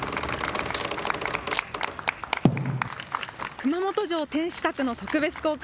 熊本城天守閣の特別公開。